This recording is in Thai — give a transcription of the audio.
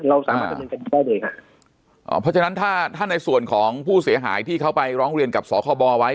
เราสามารถดำเนินการได้เลยค่ะอ๋อเพราะฉะนั้นถ้าถ้าในส่วนของผู้เสียหายที่เขาไปร้องเรียนกับสคบไว้